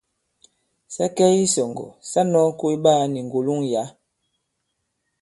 Sa kɛ i isɔ̀ŋgɔ̀ sa nɔ̄ɔ koy ɓaā ni ŋgòloŋ yǎ.